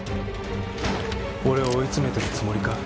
俺を追い詰めてるつもりか？